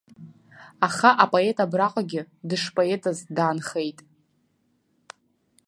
Аха апоет абраҟагьы дышпоетыз даанхеит.